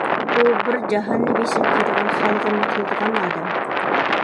ئۇ بىر جاھاننى بېشىغا كىيىدىغان، خالىغىنىنى قىلىدىغان ئادەم.